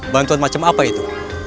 bantuan macam apa itu